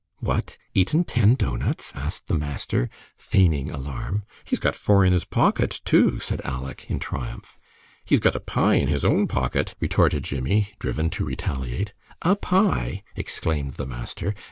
"What! eaten ten doughnuts?" asked the master, feigning alarm. "He's got four in his pocket, too," said Aleck, in triumph. "He's got a pie in his own pocket," retorted Jimmie, driven to retaliate. "A pie!" exclaimed the master.